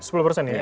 sepuluh persen ya